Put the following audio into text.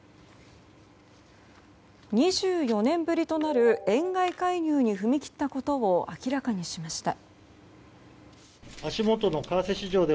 ２４年ぶりとなる円買い介入に踏み切ったことを明らかにしました。